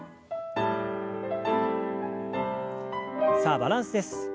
さあバランスです。